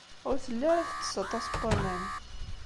Ur telli ara tettess aṭas n waman.